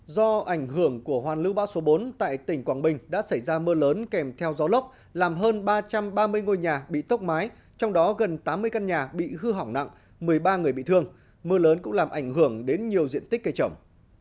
do ảnh hưởng của hoàn lưu bão số bốn tại tỉnh quảng bình đã xảy ra mưa lớn kèm theo gió lốc làm hơn ba trăm ba mươi ngôi nhà bị tốc mái trong đó gần tám mươi căn nhà bị hư hỏng nặng một mươi ba người bị thương mưa lớn cũng làm ảnh hưởng đến nhiều diện tích cây trồng